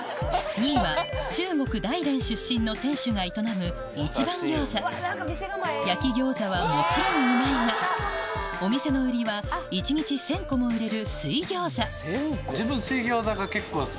２位は中国・大連出身の店主が営む焼き餃子はもちろんうまいがお店の売りは一日１０００個も売れる自分。